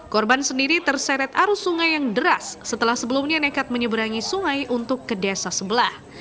korban sendiri terseret arus sungai yang deras setelah sebelumnya nekat menyeberangi sungai untuk ke desa sebelah